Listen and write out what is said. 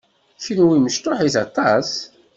Kenwi mecṭuḥit aṭas.